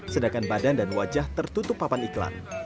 sedangkan badan dan wajah tertutup papan iklan